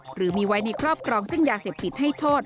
หรือมีไว้ในครอบครองซึ่งยาเสพติดให้โทษ